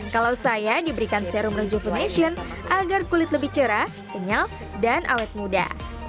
kalau saya diberikan serum rejupination agar kulit lebih cerah kenyal dan awet muda